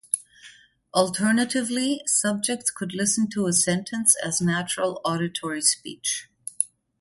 Alternatively, subjects could listen to a sentence as natural auditory speech.